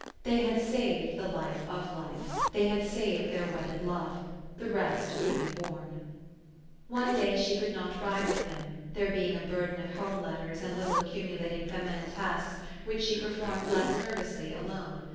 They had saved the life of life, they had saved their wed ded love : the rest could be borne. One day she could not ride with him, there being a burden of home letters and little accumulating feminine tasks, which she performed less nervously alone.